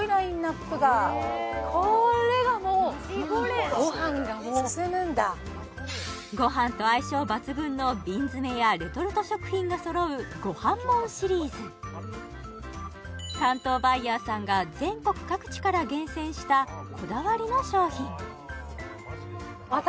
これがもうごはんと相性抜群の瓶詰めやレトルト食品がそろう「ごはんもん」シリーズ担当バイヤーさんが全国各地から厳選したこだわりの商品